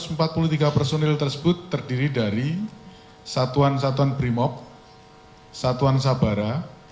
satu ratus empat puluh tiga personil tersebut terdiri dari satuan satuan brimob satuan sabara